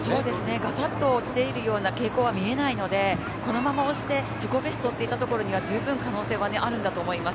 がたっと落ちているような傾向は見えないので、このまま押して自己ベストといったところでは可能性はあるんだと思います。